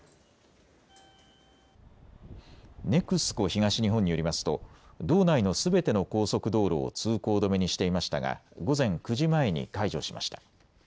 ＮＥＸＣＯ東日本によりますと道内のすべての高速道路を通行止めにしていましたが午前９時前に解除しました。